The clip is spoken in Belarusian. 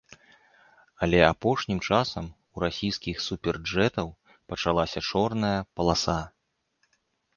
Але апошнім часам у расійскіх суперджэтаў пачалася чорная паласа.